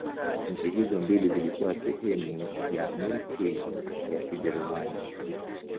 Nchi hizo mbili zilikuwa sehemu ya Milki ya Kijerumani.